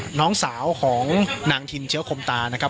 ปกติพี่สาวเราเนี่ยครับเปล่าครับเปล่าครับเปล่าครับเปล่าครับเปล่าครับ